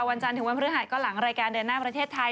วันจันทร์ถึงวันพฤหัสก็หลังรายการเดินหน้าประเทศไทย